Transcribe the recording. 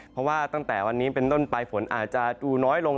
เพราะว่าตั้งแต่วันนี้เป็นต้นไปฝนอาจจะดูน้อยลง